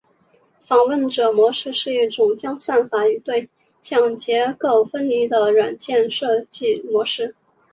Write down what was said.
访问者模式是一种将算法与对象结构分离的软件设计模式。